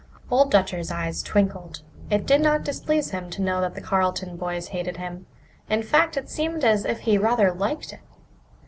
Old Dutcher's eyes twinkled. It did not displease him to know that the Carleton boys hated him. In fact, it seemed as if he rather liked it.